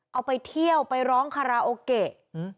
เอาไปเที่ยวไปร้องคาราโอเกะ